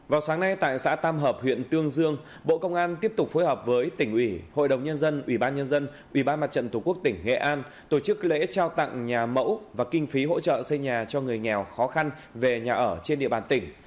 vào sáng nay tại xã tam hợp huyện tương dương bộ công an tiếp tục phối hợp với tỉnh ủy hội đồng nhân dân ủy ban nhân dân ủy ban mặt trận tổ quốc tỉnh nghệ an tổ chức lễ trao tặng nhà mẫu và kinh phí hỗ trợ xây nhà cho người nghèo khó khăn về nhà ở trên địa bàn tỉnh